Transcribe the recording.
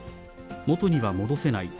元には戻せない。